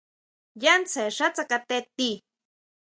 Yá tsjen xá tsakate tii.